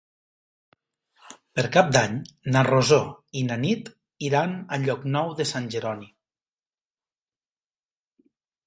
Per Cap d'Any na Rosó i na Nit iran a Llocnou de Sant Jeroni.